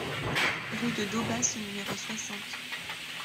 Rue de Daubas au numéro soixante